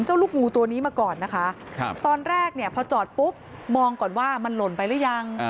ลูกงูตัวนี้มาก่อนนะคะตอนแรกเนี่ยพอจอดปุ๊บมองก่อนว่ามันหล่นไปหรือยัง